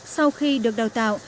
sau khi được đào tạo